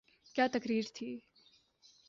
کیا تقریر تھی۔